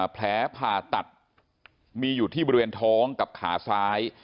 แผลผ่าตัดมีอยู่ที่บริเวณท้องกับขาซ้าย